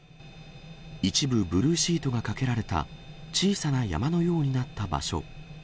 一部、ブルーシートがかけられた小さな山のようになった場所。